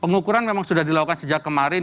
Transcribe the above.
pengukuran memang sudah dilakukan sejak kemarin